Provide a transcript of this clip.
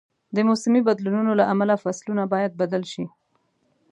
د موسمي بدلونونو له امله فصلونه باید بدل شي.